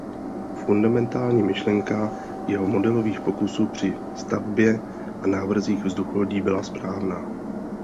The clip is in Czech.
Fundamentální myšlenka jeho modelových pokusů při stavbě a návrzích vzducholodí byla správná.